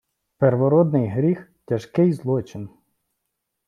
Первородний гріх - тяжкий злочин